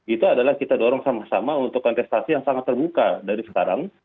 itu adalah kita dorong sama sama untuk kontestasi yang sangat terbuka dari sekarang